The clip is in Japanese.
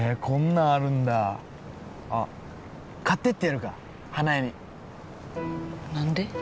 こんなんあるんだあっ買ってってやるか花枝に何で？